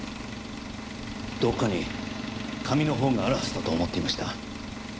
どこかに紙のほうがあるはずだと思っていました。